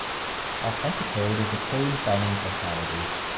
Authenticode is a code signing technology.